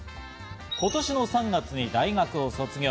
今年の３月に大学を卒業。